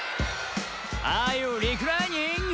「アーユーリクライニング？」